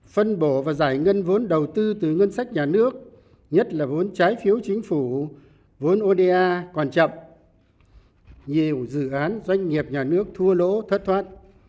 phân bổ và giải ngân vốn đầu tư từ ngân sách nhà nước nhất là vốn trái phiếu chính phủ vốn oda còn chậm nhiều dự án doanh nghiệp nhà nước thua lỗ thất thoát